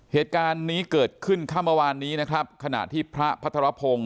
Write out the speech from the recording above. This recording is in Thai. เหตุการณ์นี้เกิดขึ้นค่ำเมื่อวานนี้นะครับขณะที่พระพัทรพงศ์